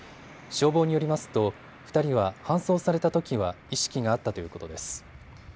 消防によりますと２人は搬送されたときは意識があったということです。